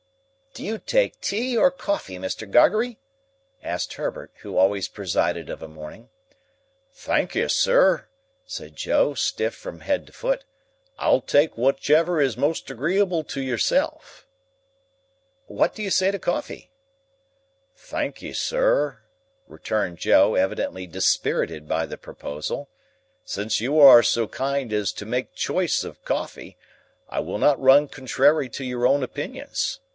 "Do you take tea, or coffee, Mr. Gargery?" asked Herbert, who always presided of a morning. "Thankee, Sir," said Joe, stiff from head to foot, "I'll take whichever is most agreeable to yourself." "What do you say to coffee?" "Thankee, Sir," returned Joe, evidently dispirited by the proposal, "since you are so kind as make chice of coffee, I will not run contrairy to your own opinions.